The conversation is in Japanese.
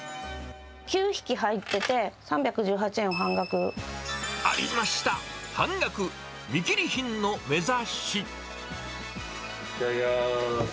９匹入ってて、３１８円を半ありました、半額、いただきます。